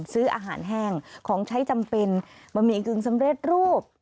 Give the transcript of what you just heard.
ซื้ออาหารแห้งของใช้จำเป็นบะหมี่กึ่งสำเร็จรูป